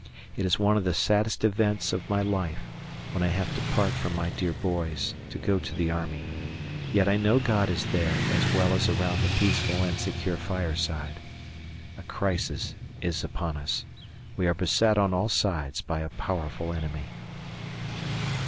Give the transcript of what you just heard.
It is one of the saddest events of my life, when I have to part from my dear boys, to go to the Army, yet I know God is there as well as around the peaceful and secure fireside. ... A crisis is upon us. We are beset on all sides by a powerful enemy.